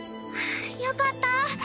よかった！